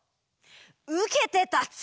うけてたつ！